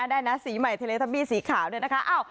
ได้นะสีใหม่เทเลทับปี้สีขาวเลยนะคะ